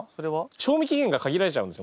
賞味期限が限られちゃうんですよ